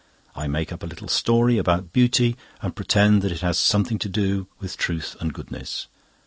I make up a little story about beauty and pretend that it has something to do with truth and goodness.